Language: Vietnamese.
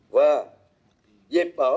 và dịp bỏ